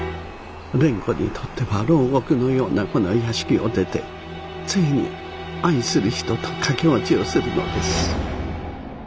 蓮子にとっては牢獄のようなこの屋敷を出てついに愛する人と駆け落ちをするのです。